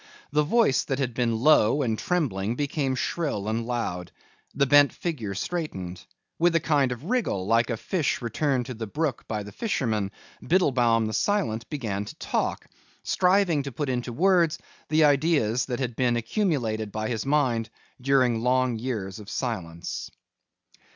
The voice that had been low and trembling became shrill and loud. The bent figure straightened. With a kind of wriggle, like a fish returned to the brook by the fisherman, Biddlebaum the silent began to talk, striving to put into words the ideas that had been accumulated by his mind during long years of silence.